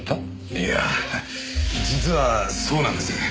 いやあ実はそうなんです。